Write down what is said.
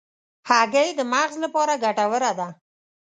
هګۍ د مغز لپاره ګټوره ده.